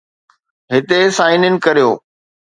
هتي sign in ڪريو